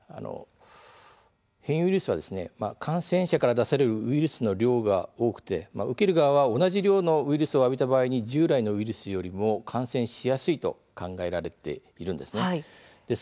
変異ウイルスは感染者から出されるウイルスの量が多くて受ける側は同じ量のウイルスを浴びた場合従来よりも感染しやすいと考えられているんです。